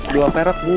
dua perak bu